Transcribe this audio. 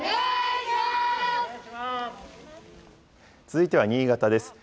続いては新潟です。